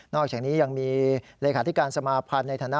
อกจากนี้ยังมีเลขาธิการสมาพันธ์ในฐานะ